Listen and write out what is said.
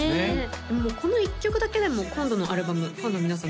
もうこの一曲だけでも今度のアルバムファンの皆さん